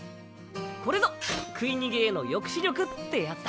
これぞ食い逃げへの抑止力ってやつだ。